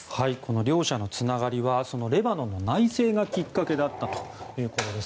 両者のつながりはレバノンの内戦がきっかけだったということです。